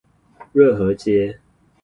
熱河街